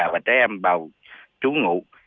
già và trẻ em bào trú ngủ